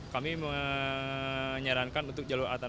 kami menyarankan untuk jalur atas